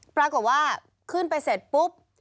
ปรากฏว่าขึ้นไปเสร็จปุ๊บ